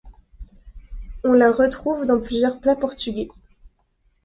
On la retrouve dans plusieurs plats portugais.